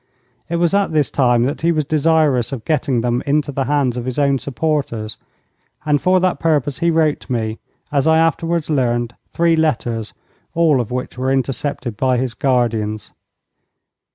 It was at this time that he was desirous of getting them into the hands of his own supporters, and for that purpose he wrote me, as I afterwards learned, three letters, all of which were intercepted by his guardians.